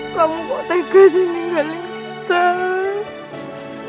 kamu kok tegas nih ninggalin ustadz